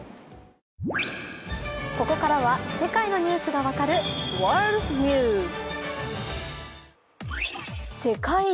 ここからは世界のニュースが分かるワールドニュース。